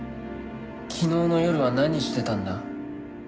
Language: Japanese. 昨日の夜は何してたんだ？